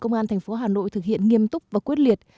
công an thành phố hà nội thực hiện nghiêm túc và quyết liệt